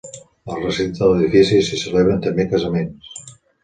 Al recinte de l'edifici s'hi celebren també casaments.